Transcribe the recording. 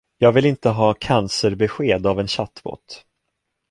Jag vill inte ha cancerbesked av en chattbot.